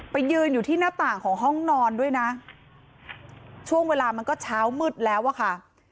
ยืนอยู่ที่หน้าต่างของห้องนอนด้วยนะช่วงเวลามันก็เช้ามืดแล้วอะค่ะ